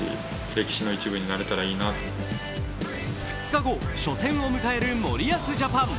２日後、初戦を迎える森保ジャパン。